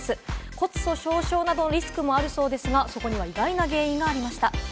骨粗しょう症などのリスクもあるそうですが、そこには意外な原因がありました。